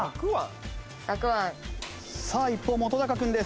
さあ一方本君です。